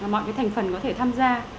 mọi cái thành phần có thể tham gia